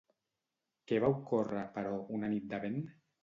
Què va ocórrer, però, una nit de vent?